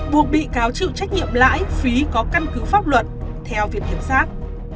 buộc bị cáo chịu trách nhiệm lãi phí có căn cứ pháp luật theo viện kiểm sát